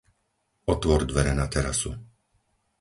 Otvor dvere na terasu.